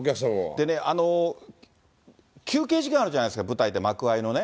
でね、休憩時間あるじゃないですか、舞台で幕間のね。